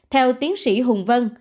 theo tiến sĩ hùng vân